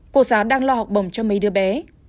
cô giáo đang lo học bổng cho mấy đứa bé